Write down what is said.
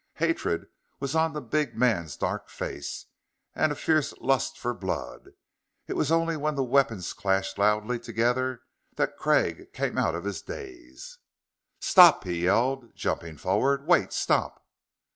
Hatred was on the big man's dark face, and a fierce lust for blood. It was only when the weapons clashed loudly together that Craig came out of his daze. "Stop!" he yelled, jumping forward. "Wait! Stop!"